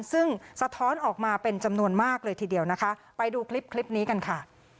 ซึ่งสะท้อนออกมาเป็นจำนวนมากเลยทีเดียวนะคะไปดูคลิปคลิปนี้กันค่ะ